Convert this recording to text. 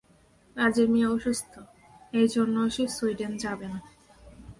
কাজের মেয়ে অসুস্থ, এই জন্যে সে সুইডেন যাবে না।